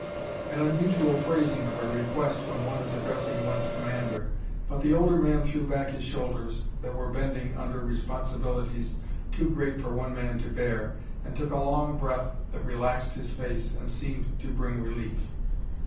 An unusual phrasing of a request when one is addressing one's commander; but the older man threw back his shoulders, that were bending under responsibilities too great for one man to bear, and took a long breath that relaxed his face and seemed to bring relief.